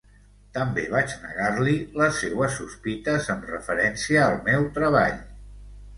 També vaig negar-li les seues sospites en referència al meu treball.